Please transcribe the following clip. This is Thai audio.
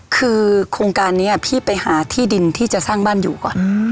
คือโครงการนี้พี่ไปหาที่ดินที่จะสร้างบ้านอยู่ก่อน